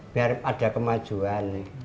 biar ada kemajuan